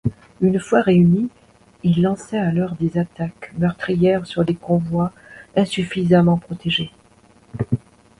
Une fois réunis, ils lançaient alors des attaques meurtrières sur des convois insuffisamment protégés.